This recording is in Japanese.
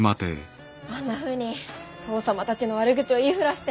あんなふうに父さまたちの悪口を言いふらして。